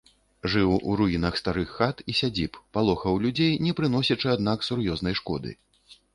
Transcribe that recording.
Жыў у руінах старых хат і сядзіб, палохаў людзей, не прыносячы, аднак, сур'ёзнай шкоды.